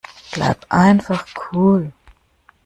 Bleib einfach cool.